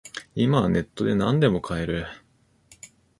今はネットでなんでも買える